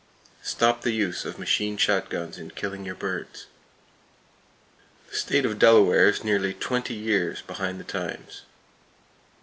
Stop the use of machine shot guns in killing your birds. The state of Delaware is nearly twenty years behind the times.